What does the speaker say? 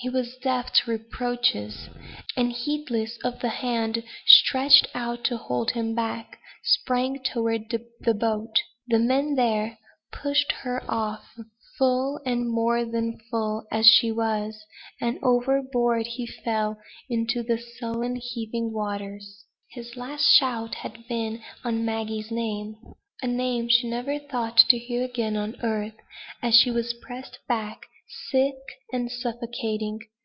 He was deaf to reproaches; and, heedless of the hand stretched out to hold him back, sprang toward the boat. The men there pushed her off full and more than full as she was; and overboard he fell into the sullen heaving waters. His last shout had been on Maggie's name a name she never thought to hear again on earth, as she was pressed back, sick and suffocating.